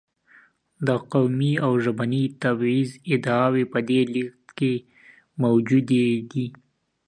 د قومي او ژبني تبعیض ادعاوې په دې لېږد کې موجودې دي.